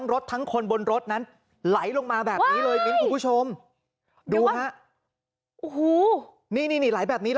รถไหล